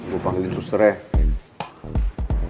gue panggilin susternya